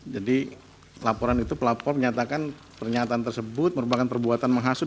jadi laporan itu pelapor menyatakan pernyataan tersebut merupakan perbuatan menghasut